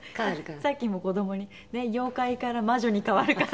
さっきも子どもに「妖怪から魔女に変わるからね」。